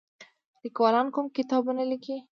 لیکوالان کوم کتابونه لیکي؟